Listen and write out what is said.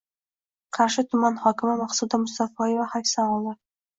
Qarshi tuman hokimi Maqsuda Mustafoyeva hayfsan oldi